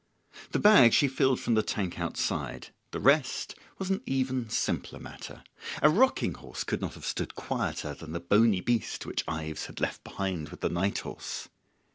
The bag she filled from the tank outside. The rest was an even simpler matter; a rocking horse could not have stood quieter than the bony beast which Ives had left behind with the night horse.